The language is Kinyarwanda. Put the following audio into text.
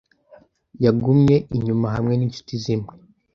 Yagumye inyuma hamwe n'incuti zimwe.